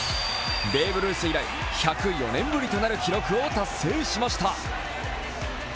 ベーブ・ルース以来１０４年ぶりとなる記録を達成しました。